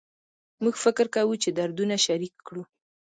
موږ فکر کوو چې دردونه شریک کړو